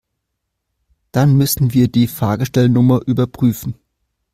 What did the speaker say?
Dann müssen wir die Fahrgestellnummer überprüfen.